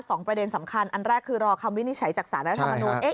สองประเด็นสำคัญอันแรกคือรอคำวินิจฉัยจากสารรัฐมนูล